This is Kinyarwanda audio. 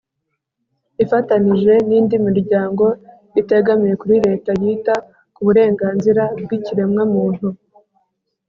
ifatanije n'indi miryango itegamiye kuri leta yita ku burenganzira bw'ikiremwamuntu.